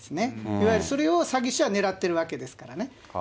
いわゆるそれを詐欺師は狙ってるわけですからね。